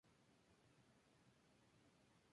Esa ruta ha llevado a los grandes clubs más reconocidos.